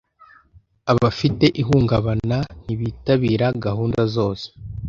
Abafite ihungabana ntibitabira gahunda zose